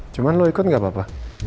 cuman lu ikut gak apa apa